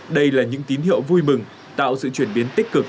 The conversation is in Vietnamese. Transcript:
đây là những tín hiệu vui mừng tạo sự chuyển biến tích cực